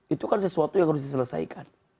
itu kan sesuatu yang harus diselesaikan